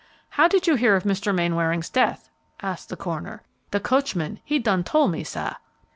"How did you hear of Mr. Mainwaring's death?" asked the coroner. "De coachman, he done tole me, sah."